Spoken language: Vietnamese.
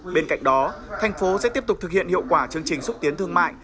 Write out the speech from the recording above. bên cạnh đó thành phố sẽ tiếp tục thực hiện hiệu quả chương trình xúc tiến thương mại